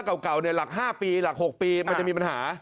ถ้าเก่าเนี่ยหลัก๕ปีหรือหลัก๖ปีมันจะมีปัญหา